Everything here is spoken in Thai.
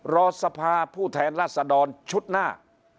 รอสภาผู้แทนราษฎรชุดหน้า